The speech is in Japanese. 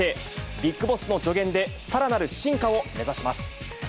ビッグボスの助言でさらなる進化を目指します。